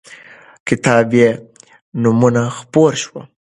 کتاب بېنومه خپور شو.